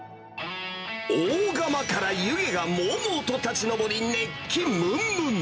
大釜から湯気がもうもうと立ち上り、熱気むんむん。